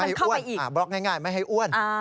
ไม่ให้มันเข้าไปอีกอ่าบล็อกง่ายไม่ให้อ้วน